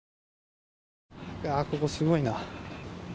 ここすごいな。